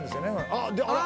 「あっあら。